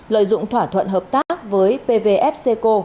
lợi dụng thỏa thuận hợp tác với pvfcco